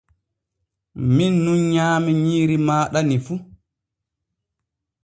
Min nun nyaami nyiiri maaɗa ni fu.